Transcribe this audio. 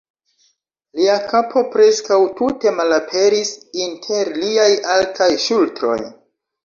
Lia kapo preskaŭ tute malaperis inter liaj altaj ŝultroj.